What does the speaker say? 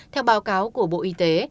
theo báo cáo của bộ y tế